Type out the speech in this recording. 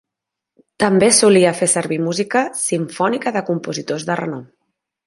També solia fer servir música simfònica de compositors de renom.